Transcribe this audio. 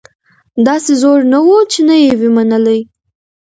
داسي زور نه وو چي نه یې وي منلي